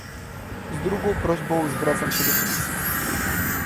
Z drugą prośbą zwracam się do Komisji